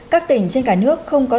các tỉnh trên cả nước không có